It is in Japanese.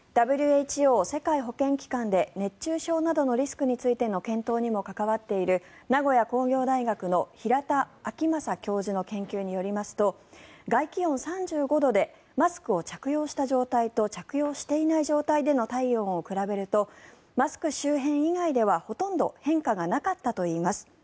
ＷＨＯ・世界保健機関で熱中症などのリスクについての検討にも関わっている名古屋工業大学の平田晃正教授の研究によりますと外気温３５度でマスクを着用した状態と着用していない状態での体温を比べるとマスク周辺以外ではほとんど変化がなかったといいます。